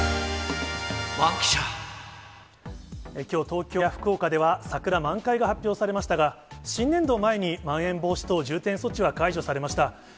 きょう、東京や福岡では桜満開が発表されましたが、新年度を前に、まん延防止等重点措置は解除されました。